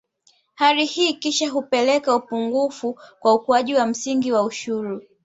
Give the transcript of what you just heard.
Hali hii kisha hupelekea upungufu wa ukuaji wa msingi wa ushuru